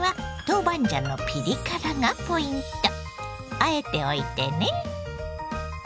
あえておいてね。